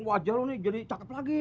wajah lo nih jadi cakep lagi